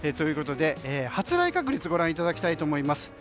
発雷確率ご覧いただきたいと思います。